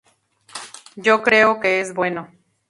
Yo creo que es bueno.